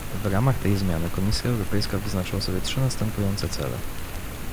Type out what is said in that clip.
W ramach tej zmiany Komisja Europejska wyznaczyła sobie trzy następujące cele